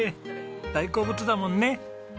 大好物だもんね。